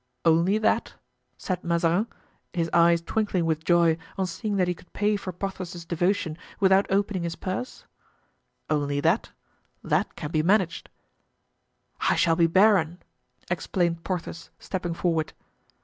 "Only that?" said Mazarin, his eyes twinkling with joy on seeing that he could pay for Porthos's devotion without opening his purse; "only that? That can be managed." "I shall be baron!" explained Porthos, stepping forward.